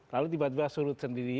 lalu tiba tiba surut sendiri